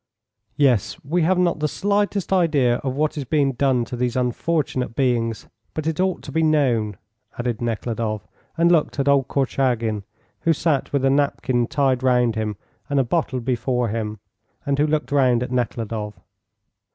"Yes, we have not the slightest idea of what is being done to these unfortunate beings. But it ought to be known," added Nekhludoff, and looked at old Korchagin, who sat with a napkin tied round him and a bottle before him, and who looked round at Nekhludoff.